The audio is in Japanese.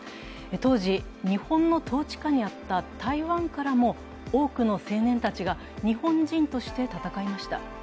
当時、日本の統治下にあった台湾からも多くの青年たちが日本人として戦いました。